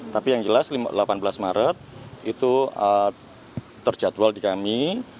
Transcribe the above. tapi yang jelas delapan belas maret itu terjadwal di kami